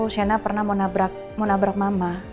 shena pernah mau nabrak mama